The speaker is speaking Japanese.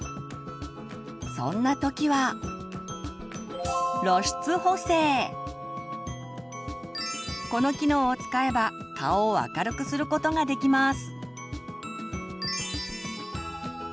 そんな時はこの機能を使えば顔を明るくすることができます。